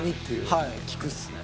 はい効くっすね